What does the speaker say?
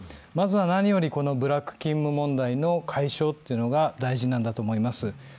まずは何よりブラック勤務問題の解消が大事なんだと思います。